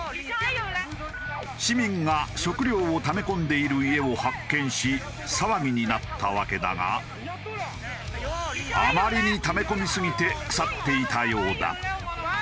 市民が食料をため込んでいる家を発見し騒ぎになったわけだがあまりにため込みすぎて腐っていたようだ。